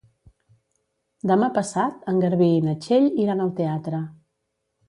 Demà passat en Garbí i na Txell iran al teatre.